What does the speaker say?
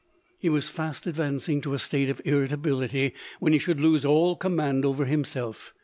He was fast advancing to a state of irritability, when he should lose all command over himself.